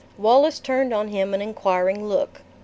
Wallace turned on him an inquiring look.